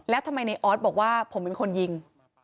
แล้วทำไมในออสบอกว่าผมเป็นคนยิง